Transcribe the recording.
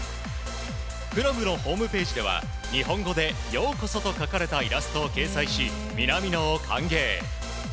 クラブのホームページでは日本語で「ようこそ」と書かれたイラストを掲載し南野を歓迎。